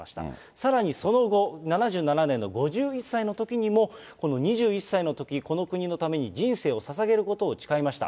さらにその後、７７年の５１歳のときにも、２１歳のとき、この国のために人生をささげることを誓いました。